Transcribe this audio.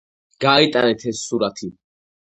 გაიტანეთ ეს სურათი